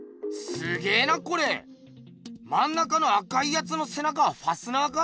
まん中の赤いやつのせ中ファスナーか？